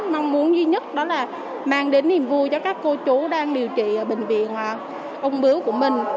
mong muốn duy nhất đó là mang đến niềm vui cho các cô chú đang điều trị ở bệnh viện ung bướu của mình